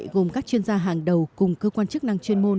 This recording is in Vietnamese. gồm các chuyên gia hàng đầu cùng cơ quan chức năng chuyên môn